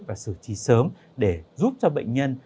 và xử trí sớm để giúp cho bệnh nhân